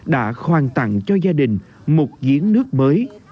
đã khoan tặng cho gia đình một giếng nước mới